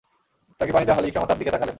তাকে পানি দেয়া হলে ইকরামা তার দিকে তাকালেন।